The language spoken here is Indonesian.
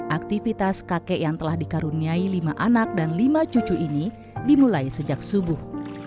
aktivitas kakek yang telah dikaruniai lima anak dan lima cucu ini dimulai sejak subuh